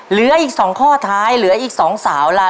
เหลืออีก๒ข้อท้ายเหลืออีก๒สาวล่ะ